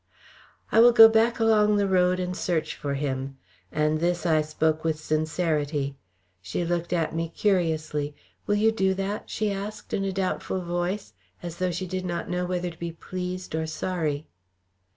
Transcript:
"I will go back along the road and search for him," and this I spoke with sincerity. She looked at me curiously. "Will you do that?" she asked in a doubtful voice, as though she did not know whether to be pleased or sorry.